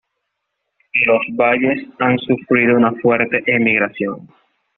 Los valles han sufrido una fuerte emigración.